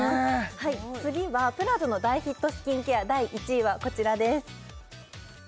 はい次はＰＬＡＺＡの大ヒットスキンケア第１位はこちらです